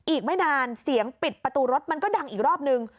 อีกไม่นานเสียงปิดประตูรถมันก็ดังอีกรอบนึง